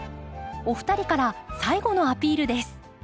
お二人から最後のアピールです。